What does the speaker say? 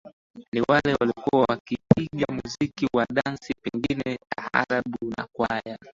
Ni wale waliokuwa wakipiga muziki wa dansi na pengine taarabu na kwaya